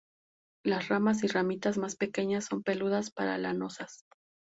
Las ramas y ramitas más pequeñas son peludas para lanosas.